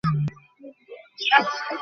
বিদ্যাসাগর তো একদিন হতেও পারে।